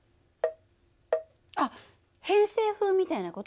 あっ偏西風みたいな事？